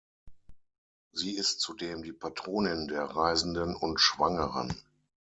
Sie ist zudem die Patronin der Reisenden und Schwangeren.